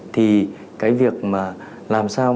thì cái việc làm sao